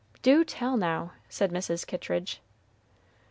"Do tell now," said Mrs. Kittridge.